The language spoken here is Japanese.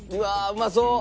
うまそう！